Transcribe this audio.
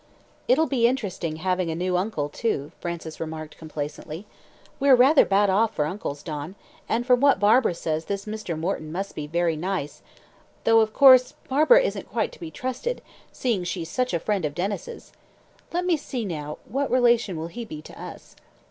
"It'll be interesting having a new uncle too," Frances remarked complacently. "We're rather badly off for uncles, Don, and from what Barbara says this Mr. Morton must be very nice, though, of course, Barbara isn't quite to be trusted, seeing she's such a friend of Denys'. Let me see, now, what relation will he be to us?"